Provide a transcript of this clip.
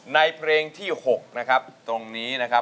ในเพลงที่๖นะครับตรงนี้นะครับ